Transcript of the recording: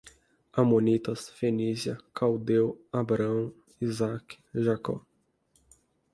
Amonitas, Fenícia, caldeu, Abraão, Isaac, Jacó